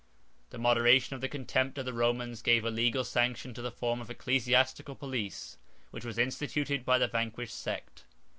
The moderation or the contempt of the Romans gave a legal sanction to the form of ecclesiastical police which was instituted by the vanquished sect.